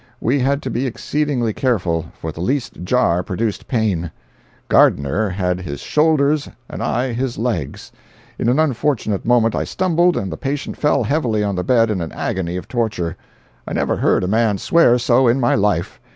We had to be exceedingly careful, for the least jar produced pain. Gardiner had his shoulders and I his legs; in an unfortunate moment I stumbled and the patient fell heavily on the bed in an agony of torture. I never heard a man swear so in my life.